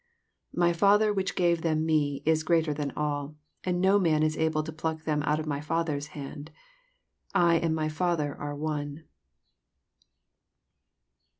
29 My Father which gave them me, is greater than all; and no man is able to pluck them out of my Father's hand. 30 I and my Father are one.